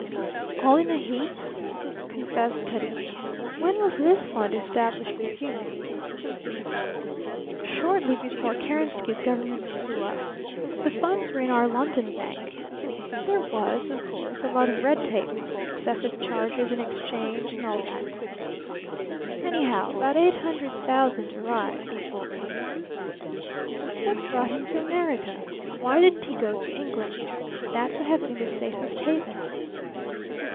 "All in a heap," confessed Cutty. "When was this fund established with you?" "Shortly before Kerensky's government blew up. The funds were in our London bank. There was, of course, a lot of red tape, excessive charges in exchange, and all that. Anyhow, about eight hundred thousand arrived." "What brought him to America? Why didn't he go to England? That would have been the safest haven."